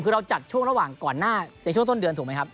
คือเราจัดช่วงระหว่างก่อนหน้าในช่วงต้นเดือนถูกไหมครับ